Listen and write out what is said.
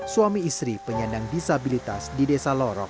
suami istri penyandang disabilitas di desa lorok